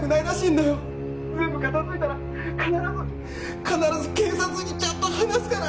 「全部片付いたら必ず」必ず警察にちゃんと話すから！